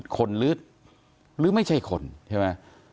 คนหรือไม่ใช่คนใช่ไหม